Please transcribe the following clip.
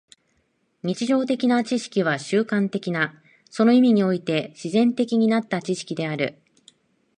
日常的な知識は習慣的な、その意味において自然的になった知識である。